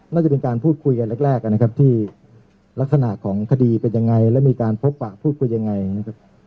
น่าจะเป็นการพูดคุยกันแรกนะครับที่ลักษณะของคดีเป็นยังไงและมีการพบปะพูดคุยยังไงนะครับ